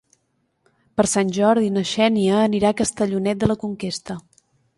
Per Sant Jordi na Xènia anirà a Castellonet de la Conquesta.